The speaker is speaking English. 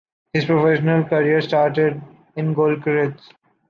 His professional career started in Görlitz.